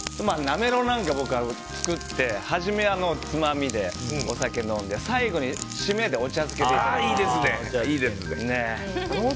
なめろうなんか僕、作って初めはつまみでお酒飲んで最後に、締めでお茶漬けでいただくのも。